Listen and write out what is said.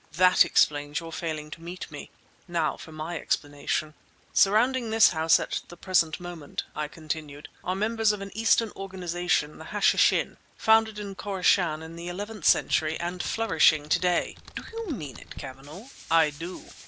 "That explains your failing to meet me. Now for my explanation!" "Surrounding this house at the present moment," I continued, "are members of an Eastern organization—the Hashishin, founded in Khorassan in the eleventh century and flourishing to day!" "Do you mean it, Cavanagh?" "I do!